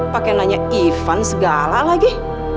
pakai nanya event segala lagi